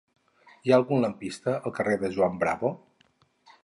Hi ha algun lampista al carrer de Juan Bravo?